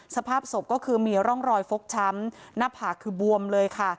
สภาพศพก็คือมีร่องรอยฟกช้ำหน้าผากคือบวมเลยค่ะ